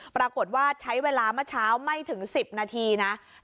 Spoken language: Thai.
ปรากฏว่าใช้เวลาเมื่อเช้าไม่ถึง๑๐นาทีนะ